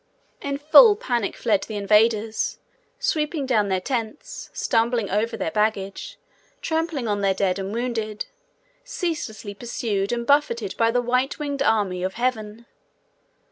In full panic fled the invaders, sweeping down their tents, stumbling over their baggage, trampling on their dead and wounded, ceaselessly pursued and buffeted by the white winged army of heaven.